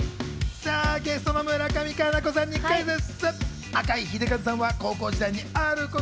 さぁ、ゲストの村上佳菜子さんにクイズッス！